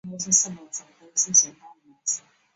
韦洛德罗姆球场是一座设在法国城市马赛的体育场。